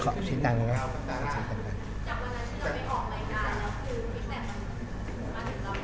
จากวันนั้นที่เราไปออกรายการแล้วคือพี่แก่มมาถึงรายการ